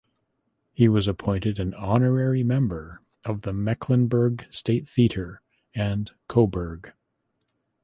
He was appointed an honorary member of the Mecklenburg State Theatre and Coburg.